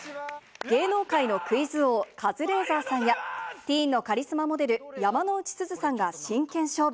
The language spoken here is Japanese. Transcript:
芸能界のクイズ王、カズレーザーさんや、ティーンのカリスマモデル、山之内すずさんが真剣勝負。